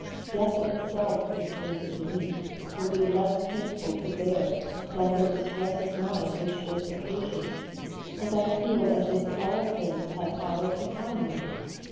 Death itself, it seems to me, would be less painful to bear than the distress of mind which this occasions, and I feel as if all things had power to harm me.